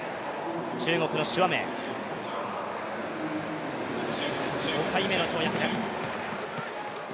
中国の朱亜明、５回目の跳躍です。